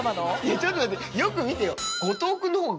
ちょっと待ってよく見てよ。